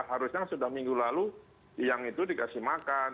harusnya sudah minggu lalu yang itu dikasih makan